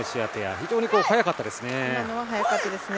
非常に速かったですね。